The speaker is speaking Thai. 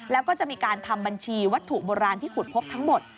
แล้วก็จะมีการทำบัญชีวัตถุโบราณที่ขุดพบทั้งหมด